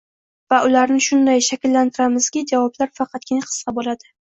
va ularni shunday shakllantiramizki, javoblar faqatgina qisqa bo‘ladi.